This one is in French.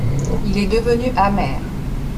Il est devenu amer.